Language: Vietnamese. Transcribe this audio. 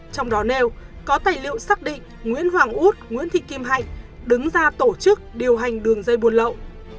trong đó nêu có tài liệu xác định nguyễn hoàng út nguyễn thị kim hạnh đứng ra tổ chức điều hành đường dây buôn lậu